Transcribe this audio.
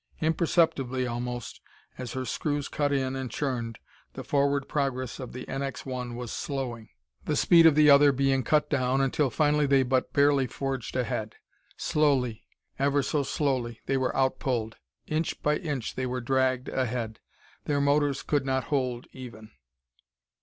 Imperceptibly, almost, as her screws cut in and churned, the forward progress of the NX 1 was slowing, the speed of the other being cut down, until finally they but barely forged ahead. Slowly, ever so slowly they were out pulled; inch by inch they were dragged ahead. Their motors could not hold even.